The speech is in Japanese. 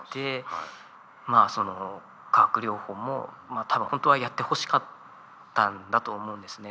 まあその化学療法も本当はやってほしかったんだと思うんですね。